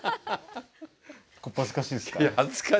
小っ恥ずかしいですか？